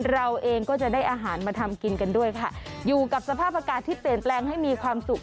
เราเองก็จะได้อาหารมาทำกินกันด้วยค่ะอยู่กับสภาพอากาศที่เปลี่ยนแปลงให้มีความสุข